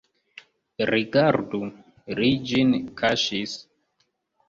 Rigardu, li ĝin kaŝis!